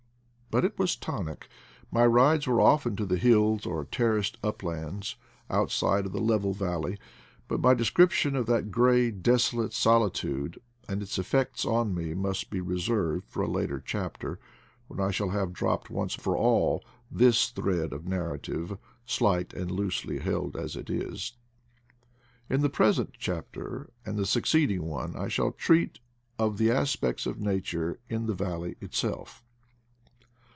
But it was tonic. My rides were often to the hills, or terraced uplands, outside of the level valley; but my description of that gray desolate solitude and its effects on me must be reserved for a later chapter, when I shall have dropped once for all this thread of narrative, slight and loosely held as it is. In the present chapter and the succeeding one I shall treat of the aspects of nature in the valley itself.